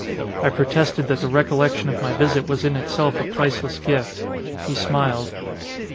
I protested that the recollection of my visit was in itself a priceless gift. He smiled.